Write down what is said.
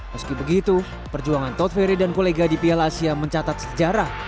meski begitu perjuangan tod ferry dan kolega di piala asia mencatat sejarah